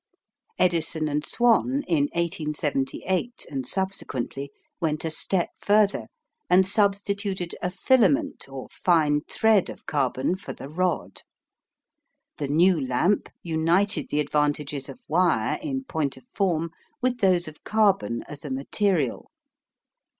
Edison and Swan, in 1878, and subsequently, went a step further, and substituted a filament or fine thread of carbon for the rod. The new lamp united the advantages of wire in point of form with those of carbon as a material.